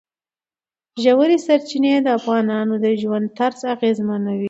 ژورې سرچینې د افغانانو د ژوند طرز اغېزمنوي.